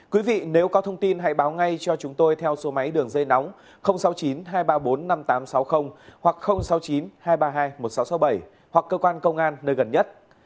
quý vị nếu có thông tin hãy báo ngay cho chúng tôi theo số máy đường dây nóng sáu mươi chín hai trăm ba mươi bốn năm nghìn tám trăm sáu mươi hoặc sáu mươi chín hai trăm ba mươi hai một nghìn sáu trăm sáu mươi bảy hoặc cơ quan công an nơi gần nhất